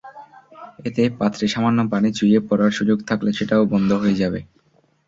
এতে পাত্রে সামান্য পানি চুঁইয়ে পড়ার সুযোগ থাকলে সেটাও বন্ধ হয়ে যাবে।